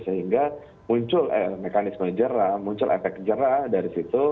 sehingga muncul mekanisme jera muncul efek jera dari situ